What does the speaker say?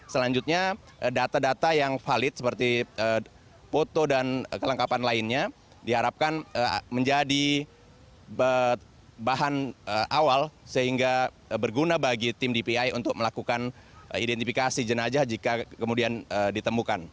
selanjutnya data data yang valid seperti foto dan kelengkapan lainnya diharapkan menjadi bahan awal sehingga berguna bagi tim dpi untuk melakukan identifikasi jenazah jika kemudian ditemukan